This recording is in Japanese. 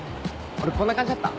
俺こんな感じだった？